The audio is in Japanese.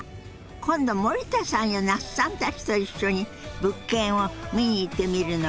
今度森田さんや那須さんたちと一緒に物件を見に行ってみるのはどう？